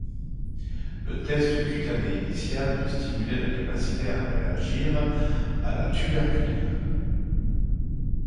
Le test cutané initial peut stimuler la capacité à réagir à la tuberculine.